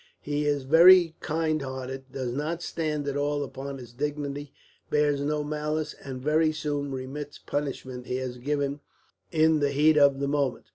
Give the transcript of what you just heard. He is very kind hearted, does not stand at all upon his dignity, bears no malice, and very soon remits punishment he has given in the heat of the moment.